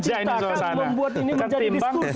kita ingin kita kan membuat ini menjadi diskursus